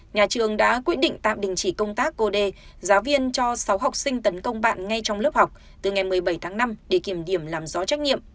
nhà trường đã quyết định tạm đình chỉ công tác cô đê giáo viên cho sáu học sinh tấn công bạn ngay trong lớp học từ ngày một mươi bảy tháng năm để kiểm điểm làm rõ trách nhiệm